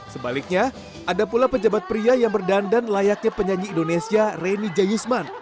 sebaliknya ada pula pejabat pria yang berdandan layaknya penyanyi indonesia reni jayusman